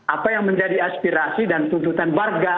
apa yang menjadi aspirasi dan tuntutan warga